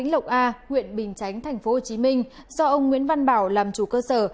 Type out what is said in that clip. lộc a huyện bình chánh tp hcm do ông nguyễn văn bảo làm chủ cơ sở